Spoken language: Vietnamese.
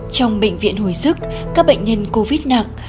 trong bệnh viện hồi sức các bệnh nhân covid nặng